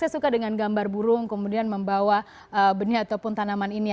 saya suka dengan gambar burung kemudian membawa benih ataupun tanaman ini